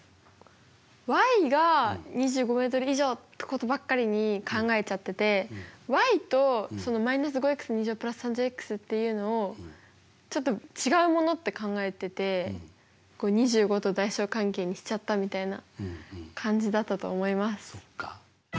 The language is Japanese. が２５ｍ以上ってことばっかりに考えちゃっててちょっと違うものって考えててこれ２５と大小関係にしちゃったみたいな感じだったと思います。